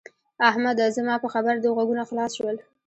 احمده! زما په خبره دې غوږونه خلاص شول؟